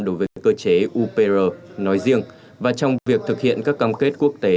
đối với các cơ chế upr nói riêng và trong việc thực hiện các cam kết quốc tế